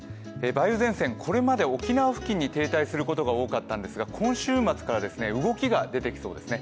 梅雨前線、これまで沖縄付近に停滞することが多かったんですが、今週末から動きが出てきそうですね。